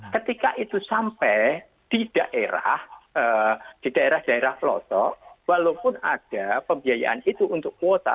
ketika itu sampai di daerah daerah pelosok walaupun ada pembiayaan itu untuk kuota